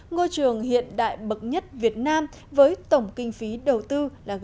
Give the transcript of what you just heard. ngôi trường hiện đại bậc nhất việt nam với tổng kinh phí đầu tư